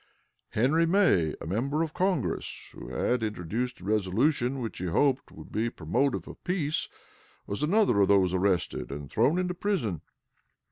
Henry May, a member of Congress, who had introduced a resolution which he hoped would be promotive of peace, was another of those arrested and thrown into prison.